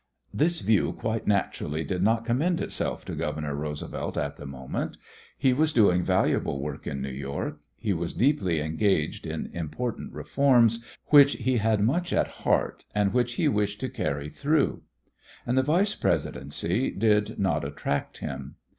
This view, quite naturally, did not commend itself to Governor Roosevelt at the moment. He was doing valuable work in New York; he was deeply engaged in important reforms which he had much at heart and which he wished to carry through; and the Vice Presidency did not attract him.